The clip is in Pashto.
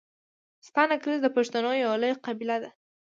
ستانگزي د پښتنو یو لويه قبیله ده.